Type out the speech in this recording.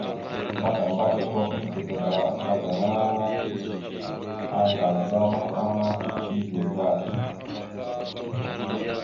Klakamba uuro eŋgcekaba assla gaŋa, aaŋgaza maɓaŋa, eeve vvaɗ.